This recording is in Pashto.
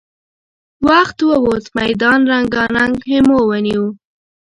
وخت ووت، ميدان رنګارنګ خيمو ونيو.